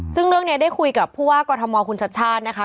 ซึ่งเรื่องนี้ได้คุยกับผู้ว่ากรทมคุณชัดชาตินะคะ